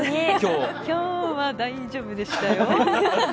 今日は大丈夫でしたよ。